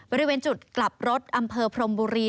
บริเวณจุดกลับรถอำเภอพรมบุรี